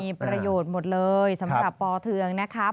มีประโยชน์หมดเลยสำหรับปอเทืองนะครับ